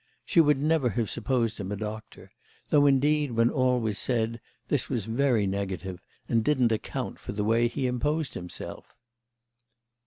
She would never have supposed him a doctor; though indeed when all was said this was very negative and didn't account for the way he imposed himself.